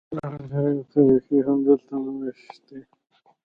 سالارزي او ترک لاڼي هم دلته مېشت دي